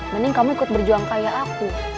mending kamu ikut berjuang kayak aku